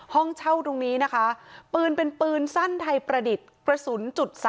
ห้องเช่าตรงนี้นะคะปืนเป็นปืนสั้นไทยประดิษฐ์กระสุน๓